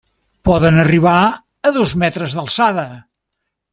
Poden arribar a dos metres d'alçada.